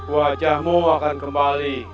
wajahmu akan kembali